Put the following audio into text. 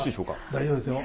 大丈夫ですよ。